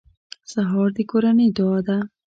سهار د کورنۍ دعا ده.